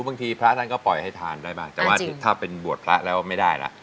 พระท่านก็ปล่อยให้ทานได้บ้างแต่ว่าถ้าเป็นบวชพระแล้วไม่ได้ล่ะ